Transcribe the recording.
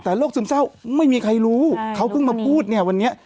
แต่โรคซึมเศร้าไม่มีใครรู้เขาเพิ่งมาพูดเนี่ยวันนี้